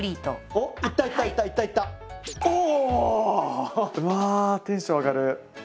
おお！うわテンション上がる。